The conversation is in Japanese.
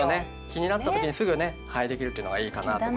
気になった時にすぐねできるっていうのがいいかなと思います。